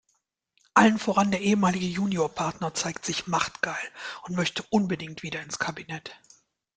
Allen voran der ehemalige Juniorpartner zeigt sich machtgeil und möchte unbedingt wieder ins Kabinett.